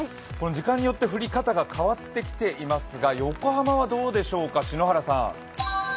時間によって降り方が変わってきていますが横浜はどうでしょうか、篠原さん。